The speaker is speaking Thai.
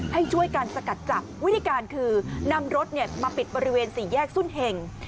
ให้ช่วยกันสกัดจับวิธีการคือนำรถมาปิดบริเวณสี่แยกสุ่นเห็ง